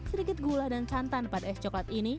sedikit gula dan santan pada es coklat ini